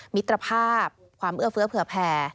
มิตรภาพความเอื้อเฟื้อเผื่อแผ่